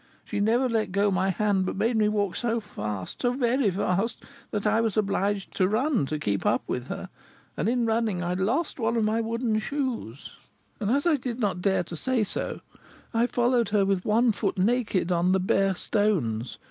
She never let go my hand, but made me walk so fast so very fast that I was obliged to run to keep up with her, and in running I had lost one of my wooden shoes; and as I did not dare to say so, I followed her with one foot naked on the bare stones.